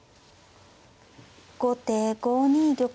後手５二玉。